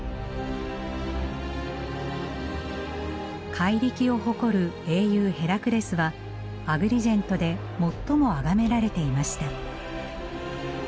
怪力を誇る英雄ヘラクレスはアグリジェントで最もあがめられていました。